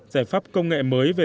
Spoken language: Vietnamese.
giải pháp công nghệ mới về lưới điện